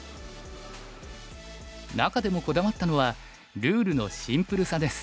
中でもこだわったのはルールのシンプルさです。